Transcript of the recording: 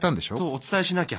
お伝えしなきゃ。